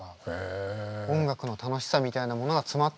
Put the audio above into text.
音楽の楽しさみたいなものが詰まってる一曲。